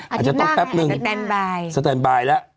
อาจจะต้องแป๊บนึงสแตนบายสแตนบายแล้ว